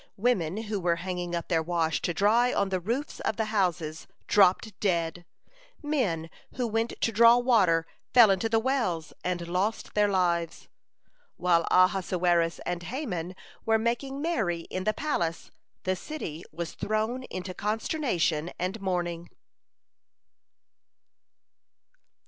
Women who were hanging up their wash to dry on the roofs of the houses dropped dead; men who went to draw water fell into the wells, and lost their lives. While Ahasuerus and Haman were making merry in the palace, the city was thrown into consternation and mourning.